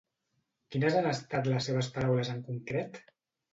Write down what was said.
Quines han estat les seves paraules en concret?